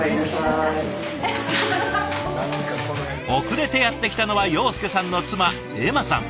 遅れてやってきたのは庸介さんの妻絵麻さん。